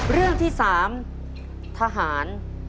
เรื่องที่๓ทหาร